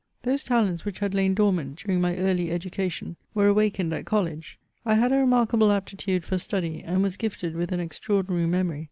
Those talents which had lain dormant during my early education were awakened at college ; I had a remarkable apti tude for study, and was gifted with an extraordinary memory.